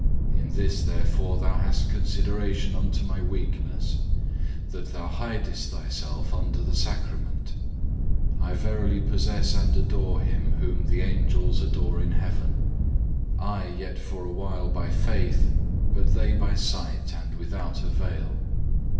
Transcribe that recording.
In this therefore Thou hast consideration unto my weakness, that Thou hidest Thyself under the Sacrament. I verily possess and adore Him whom the Angels adore in heaven; I yet for a while by faith, but they by sight and without a veil.